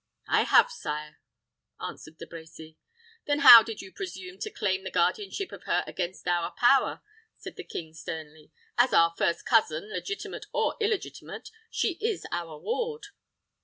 "I have, sire," answered De Brecy. "Then how did you presume to claim the guardianship of her against our power?" said the king, sternly. "As our first cousin, legitimate or illegitimate, she is our ward."